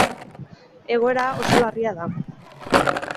Egoera oso larria da.